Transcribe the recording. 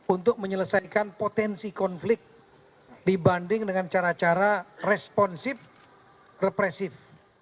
untuk menyelesaikan potensi konflik dibanding dengan cara cara responsif represif